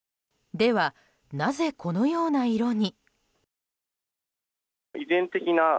では、なぜこのような色に？